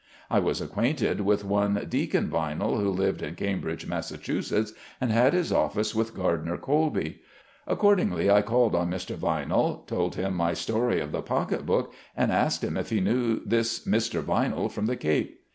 I was acquainted with one Deacon Vinell who lived in Cambridge, Mass., and had his office with Gardiner Colby. Accordingly I called on Mr. Vinell, told him my story of the pocket book, and asked him if he knew this Mr. Vinell, from the Cape.